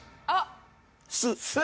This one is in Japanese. あっ！